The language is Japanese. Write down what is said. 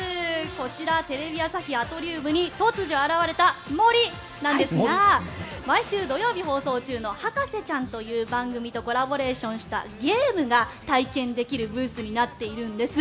こちら、テレビ朝日アトリウムに突如、現れた森なんですが毎週土曜日放送中の「博士ちゃん」という番組とコラボレーションしたゲームが体験できるブースになっているんです。